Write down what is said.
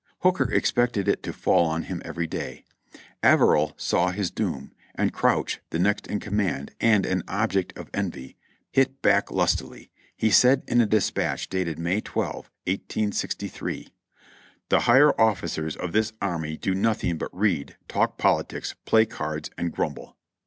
Hooker expected it to fall on him every day ; Averell saw his doom, and Crouch, the next in command and an object of envy, hit back lustily; he said in a dispatch dated May 12, 1863: "The higher officers of this army do nothing but read, talk politics, play cards and grumble."